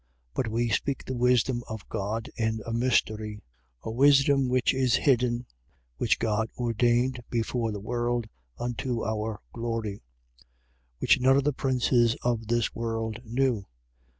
2:7. But we speak the wisdom of God in a mystery, a wisdom which is hidden, which God ordained before the world, unto our glory: 2:8. Which none of the princes of this world knew.